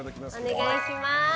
お願いします。